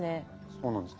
そうなんです。